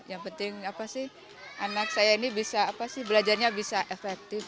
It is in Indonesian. yang penting anak saya ini belajarnya bisa efektif